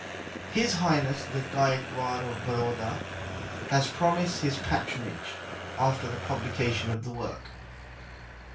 His Highness the Gaekwar of Baroda has promised his patronage after the publication of the work.